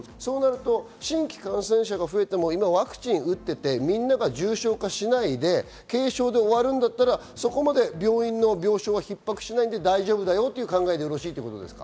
新規感染者数が増えてもワクチンを打っていて、みんな重症化しないで軽症で終わるんだったら、病院の病床は逼迫しないで大丈夫ということですか？